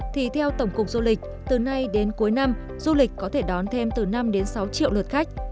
thì theo tổng cục du lịch từ nay đến cuối năm du lịch có thể đón thêm từ năm đến sáu triệu lượt khách